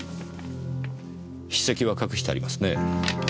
筆跡は隠してありますねぇ。